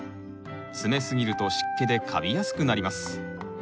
詰め過ぎると湿気でかびやすくなります。